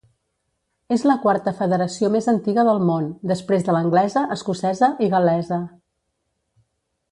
És la quarta federació més antiga del món, després de l'anglesa, escocesa i gal·lesa.